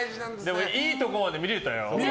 でも、いいところまで見れたよ。